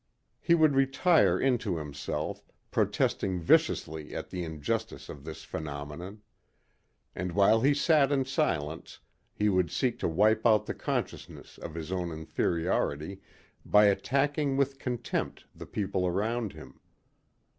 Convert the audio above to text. He would retire into himself, protesting viciously at the injustice of this phenomenon. And while he sat in silence he would seek to wipe out the consciousness of his own inferiority by attacking with contempt the people around him.